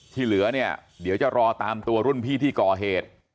ที่เหลือเนี่ยเดี๋ยวจะรอตามตัวรุ่นพี่ที่ก่อเหตุ